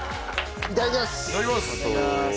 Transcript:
いただきます！